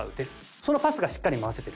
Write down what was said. そのパスがしっかり回せてる。